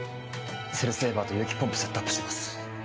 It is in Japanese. セルセーバーと輸液ポンプセットアップします